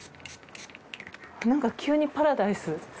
なんか急にパラダイス。